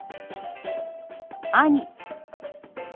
「兄」。